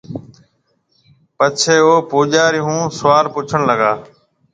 پڇيَ او پوجارِي هون سوال پُوڇڻ لاگا۔